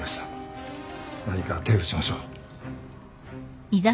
何か手を打ちましょう。